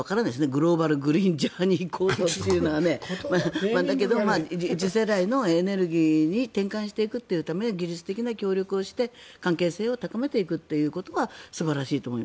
グローバル・グリーン・ジャーニー構想というのはだけど次世代のエネルギーに転換してくために技術的な協力をして関係性を高めていくということは素晴らしいと思う。